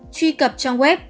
truy cập trong web